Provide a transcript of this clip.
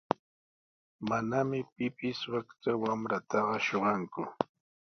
Manami pipis wakcha wamrataqa shuqanku.